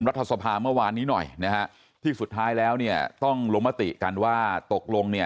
รัฐสภาเมื่อวานนี้หน่อยนะฮะที่สุดท้ายแล้วเนี่ยต้องลงมติกันว่าตกลงเนี่ย